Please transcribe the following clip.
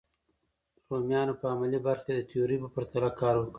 رومیانو په عملي برخه کې د تیوري په پرتله کار وکړ.